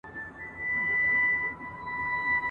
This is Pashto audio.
د رویبار لاري سوې بندي زېری نه راځي جانانه ..